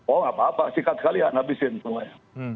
oh gak apa apa sikat sekali ya nabisin semuanya